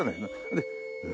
で。